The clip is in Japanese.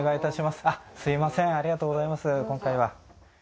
すいませんありがとうございます今回は。